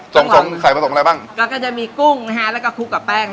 ส่งตรงใส่ผสมอะไรบ้างก็ก็จะมีกุ้งนะฮะแล้วก็คลุกกับแป้ง